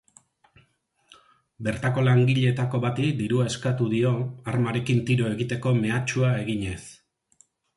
Bertako langileetako bati dirua eskatu dio, armarekin tiro egiteko mehatxua eginez.